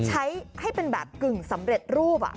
ใช้ให้เป็นแบบกึ่งสำเร็จรูป